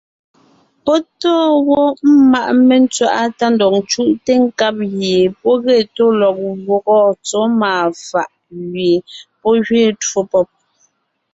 Pɔ́ tóo wó ḿmaʼ mentswaʼá tá ndɔg ńcúʼte nkab gie pɔ́ ge tó lɔg gwɔ́gɔ tsɔ́ máa fàʼ gẅie pɔ́ gẅiin twó pɔ́b.